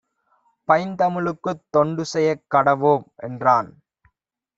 "பைந்தமிழ்க்குத் தொண்டுசெயக் கடவோம்" என்றான்.